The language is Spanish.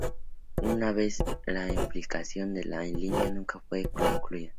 Una vez más, la implantación de la línea nunca fue concluida.